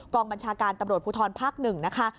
กองบัญชาการตำรวจภูทรภักดิ์๑นะคะ